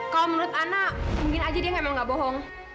kalo menurut ana mungkin aja dia emang gak bohong